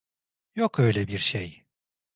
Yok öyle bir şey.